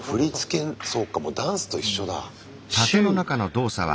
そうかもうダンスと一緒だ。